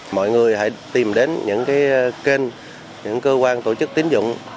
mọi người hãy tìm đến những kênh những cơ quan tổ chức tín dụng